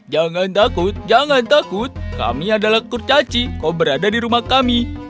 jangan takut jangan takut kami adalah kurcaci kau berada di rumah kami